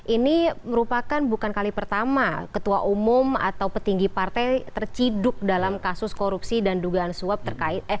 ini merupakan bukan kali pertama ketua umum atau petinggi partai terciduk dalam kasus korupsi dan dugaan suap